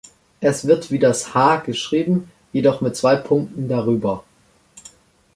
Es wird wie das Ha geschrieben, jedoch mit zwei Punkten darüber.